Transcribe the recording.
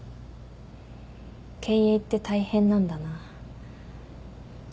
経営って大変なんだなとか。